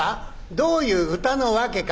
どういう歌の訳か」。